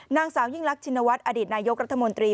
นางสาวยิ่งรักชินวัฒน์อดีตนายกรัฐมนตรี